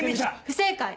不正解。